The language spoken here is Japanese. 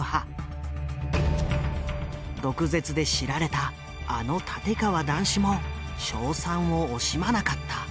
毒舌で知られたあの立川談志も称賛を惜しまなかった。